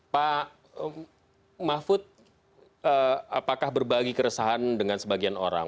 pak mahfud apakah berbagi keresahan dengan sebagian orang